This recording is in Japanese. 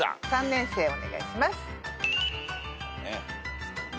３年生お願いします。